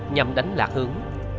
nhằm đánh lạc hướng